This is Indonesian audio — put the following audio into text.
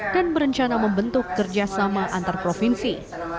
dan berencana membentuk kerjasama antar provinsi